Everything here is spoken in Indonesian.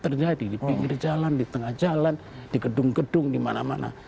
terjadi di pinggir jalan di tengah jalan di gedung gedung di mana mana